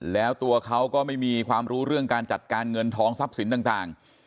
แล้วตัวเขาก็ไม่มีความรู้เรื่องการจัดการเงินทองทรัพย์สินต่าง